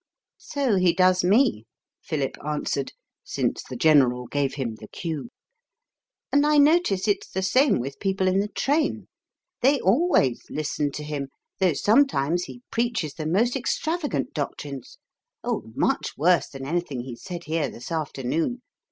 "So he does me," Philip answered, since the General gave him the cue. "And I notice it's the same with people in the train. They always listen to him, though sometimes he preaches the most extravagant doctrines oh, much worse than anything he's said here this afternoon.